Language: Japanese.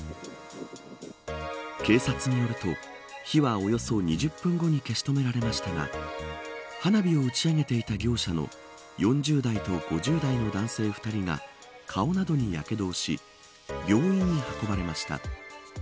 警察によると火はおよそ２０分後に消し止められましたが花火を打ち上げていた業者の４０代と５０代の男性２人が顔などにやけどをし病院に運ばれました。